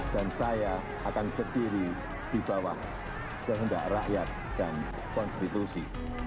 dan saya akan ketiri di bawah kehendak rakyat dan konstitusi